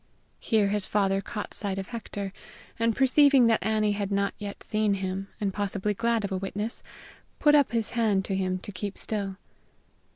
Here his father caught sight of Hector, and, perceiving that Annie had not yet seen him, and possibly glad of a witness, put up his hand to him to keep still.